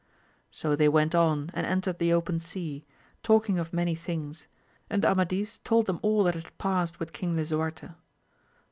So they went on and entered the open sea, talking of many things, and A'^^adis told them all that had T>r— ^^with King LisuWte.